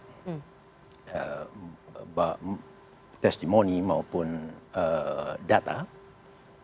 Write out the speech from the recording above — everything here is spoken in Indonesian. testimoni maupun data itu menunjukkan memang ada kesengajaan untuk merubah data dalam langkah untuk melancarkan partai politik lokal